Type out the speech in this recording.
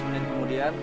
lima belas menit kemudian